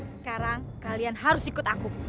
sekarang kalian harus ikut aku